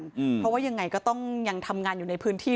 เพราะว่ายังไงก็ต้องยังทำงานอยู่ในพื้นที่